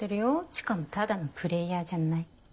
しかもただのプレーヤーじゃない。